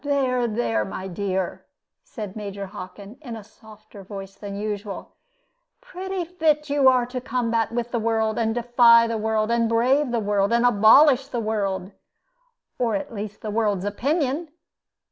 "There, there, my dear!" said Major Hockin, in a softer voice than usual. "Pretty fit you are to combat with the world, and defy the world, and brave the world, and abolish the world or at least the world's opinion!